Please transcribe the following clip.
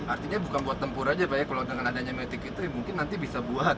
artinya bukan buat tempur aja pak ya kalau dengan adanya metik itu mungkin nanti bisa buat